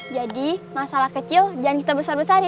jadi masalah kecil jangan kita besar besarin